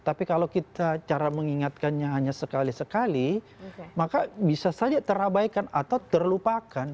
jika kita ingatkan sekali sekali maka bisa saja terabaikan atau terlupakan